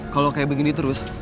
kalo kayak begini terus